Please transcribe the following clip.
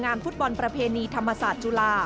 ฟุตบอลประเพณีธรรมศาสตร์จุฬา